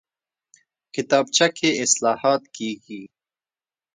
کتابچه کې اصلاحات کېږي